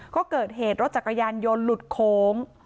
ก็เกิดเหตุรถจักรยานยนต์หลุดโค้ง